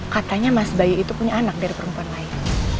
katanya mas bayu itu punya anak dari perempuan lain